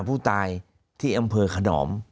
ผู้ตายที่อำเภอขนอม